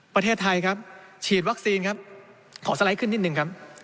ประเทศไทยครับฉีดวัคซีนครับขอสไลด์ขึ้นนิดนึงครับ